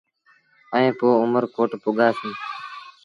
ائيٚݩ پو اُمر ڪوٽ پڳآسيٚݩ۔